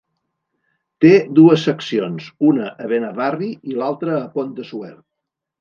Té dues seccions, una a Benavarri i l'altra a Pont de Suert.